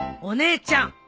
お姉ちゃん！